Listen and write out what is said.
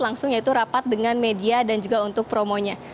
langsung yaitu rapat dengan media dan juga untuk promonya